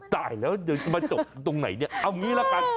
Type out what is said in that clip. อ๋อตายแล้วตรงไหนเนี่ยเอาอย่างนี้ละกัน